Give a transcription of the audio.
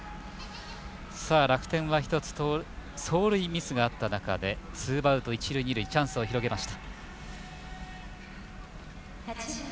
楽天は一つ走塁ミスがあった中でツーアウト一塁、二塁チャンスを広げています。